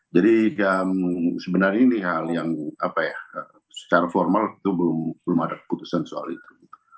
jadi sebenarnya ini hal yang secara formal itu belum ada keputusan soal itu